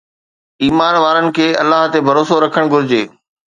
ايمان وارن کي الله تي ڀروسو رکڻ گهرجي.